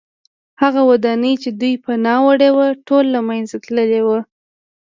هغه ودانۍ چې دوی پناه وړې وه ټوله له منځه تللې وه